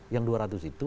yang dua ratus itu